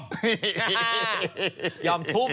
นี่ยอมทุบ